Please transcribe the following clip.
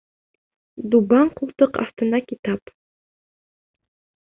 Дубан ҡултыҡ аҫтына китап